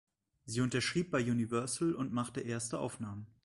Sie unterschrieb bei Universal und machte erste Aufnahmen.